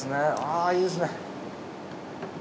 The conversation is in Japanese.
あいいですね。